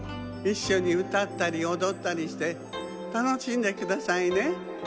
いっしょにうたったりおどったりしてたのしんでくださいね。